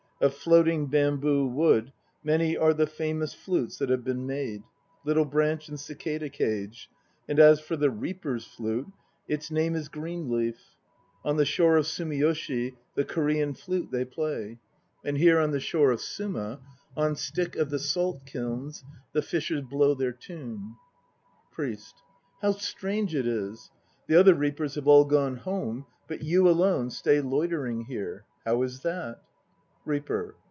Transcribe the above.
Of floating bamboo wood Many are the famous flutes that have been made; Little Branch and Cicada Cage, And as for the reaper's flute, Its name is Green leaf; On the shore of Sumiyoshi The Corean flute they play. ATSUMORI 39 And here on the shore of Suma On Stick of the Salt kilns The fishers blow their tune. PRIEST. How strange it is! The other reapers have all gone home, but you alone stay loitering here. How is that? REAPER.